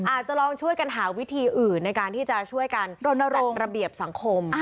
อาจจะลองช่วยกันหาวิธีอื่นในการที่จะช่วยกันรณรงค์ระเบียบสังคม